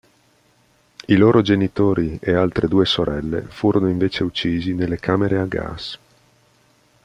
I loro genitori e altre due sorelle furono invece uccisi nelle camere a gas.